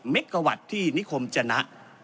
เมกะวัตต์ที่นิคมจนะ